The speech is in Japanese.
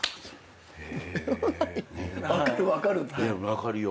分かるよ。